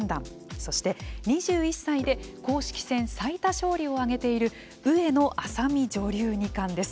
そして２１歳で公式戦最多勝利を挙げている上野愛咲美女流二冠です。